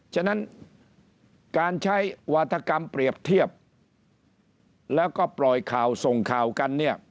ฉะนั้นการใช้วาธกรรมเปรียบเทียบแล้วก็ปล่อยข่าวส่งข่าวกันเนี่ย